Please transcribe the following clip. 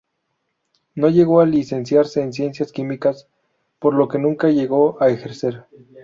No llegó a licenciarse en Ciencias Químicas, por lo que nunca llegó a ejercer.